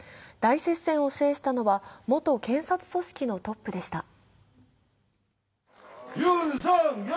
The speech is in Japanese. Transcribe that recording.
大接戦を制したのは元検察組織のトップでした。